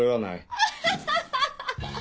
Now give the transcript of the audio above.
アハハハ！